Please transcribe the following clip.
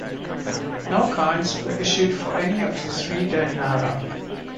No coins were issued for any of the three dinara.